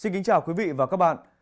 xin kính chào quý vị và các bạn